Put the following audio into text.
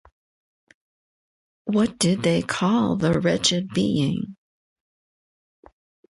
What did they call the wretched being?